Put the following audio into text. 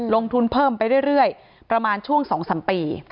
ลงทุนเพิ่มไปเรื่อยประมาณช่วง๒๓ปี